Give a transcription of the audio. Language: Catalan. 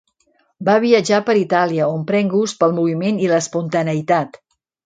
Va viatjar per Itàlia on pren gust pel moviment i l'espontaneïtat.